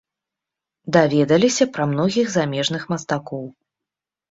Даведаліся пра многіх замежных мастакоў.